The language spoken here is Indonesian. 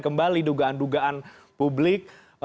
kembali dugaan dugaan publik